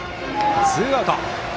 ツーアウト。